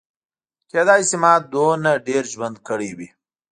کیدای شي ما دومره ډېر ژوند کړی وي.